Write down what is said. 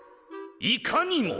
いかにも！